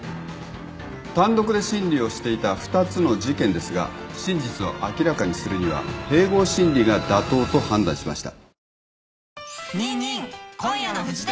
単独で審理をしていた２つの事件ですが真実を明らかにするには併合審理が妥当と判断しました。